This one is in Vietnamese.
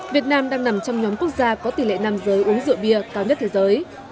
việt nam đang nằm trong nhóm quốc gia có tỷ lệ nam giới uống rượu bia cao nhất thế giới